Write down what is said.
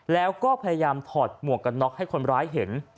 แล้วก็พยายามถอดหมวกกันน็อกให้คนร้ายเห็น